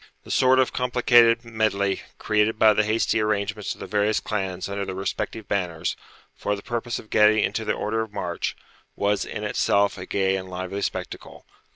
The sort of complicated medley created by the hasty arrangements of the various clans under their respective banners, for the purpose of getting into the order of march, was in itself a gay and lively spectacle.